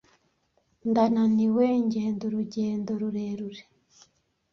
Ndananiwe ngenda urugendo rurerure.